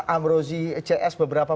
amrozi cs beberapa